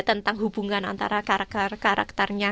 tentang hubungan antara karakternya